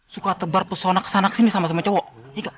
suka tebar pesona kesana kesini sama sama cowok